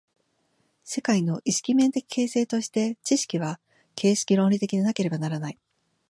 世界の意識面的形成として、知識は形式論理的でなければならない。